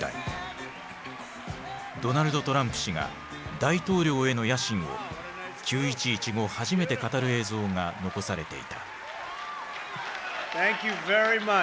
ドナルド・トランプ氏が大統領への野心を９．１１後初めて語る映像が残されていた。